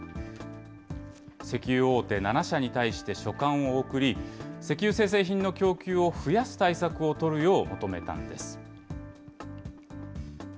石油大手７社に対して書簡を送り、石油精製品の供給を増やす対策を取るよう求めたんです。